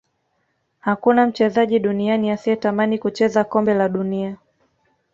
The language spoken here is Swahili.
hakuna mchezaji duniani asiyetamani kucheza kombe la dunia